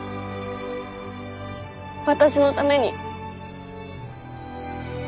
私のために。